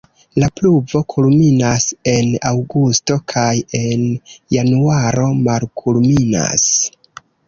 La pluvo kulminas en aŭgusto kaj en januaro malkulminas.